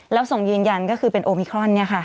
แล้วส่งยืนยันก็คือเป็นโอมิครอนเนี่ยค่ะ